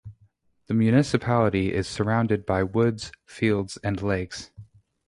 The municipality is surrounded by woods, fields, and lakes.